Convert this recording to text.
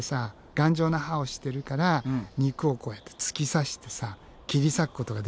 頑丈な歯をしてるから肉をこうやって突き刺してさ切り裂くことができるんだよね。